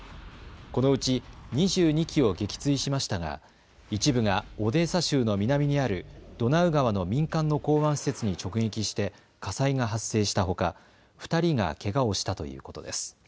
このうち２２機を撃墜しましたが一部がオデーサ州の南にあるドナウ川の民間の港湾施設に直撃して火災が発生したほか２人がけがをしたということです。